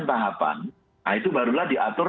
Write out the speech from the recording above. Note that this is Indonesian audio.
tahapan nah itu barulah diatur